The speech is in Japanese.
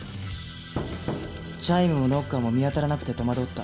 チャイムもノッカーも見当たらなくて戸惑った。